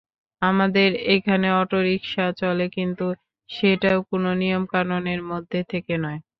আমাদের এখানে অটোরিকশা চলে, কিন্তু সেটাও কোনো নিয়মকানুনের মধ্যে থেকে নয়।